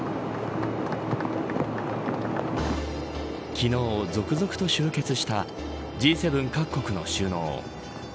昨日、続々と集結したＧ７各国の首脳。